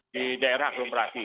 di daerah aglomerasi